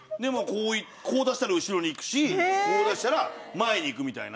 こう出したら後ろに行くしこう出したら前に行くみたいな。